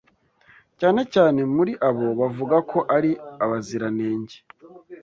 cyane cyane muri abo bavuga ko ari abaziranenge